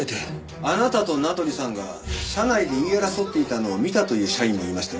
あなたと名取さんが社内で言い争っていたのを見たという社員もいましたよ。